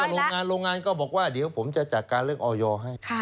โรงงานโรงงานก็บอกว่าเดี๋ยวผมจะจัดการเรื่องออยให้